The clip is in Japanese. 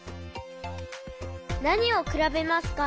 なにをくらべますか？